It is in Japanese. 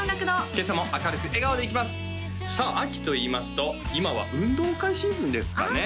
今朝も明るく笑顔でいきますさあ秋といいますと今は運動会シーズンですかねああ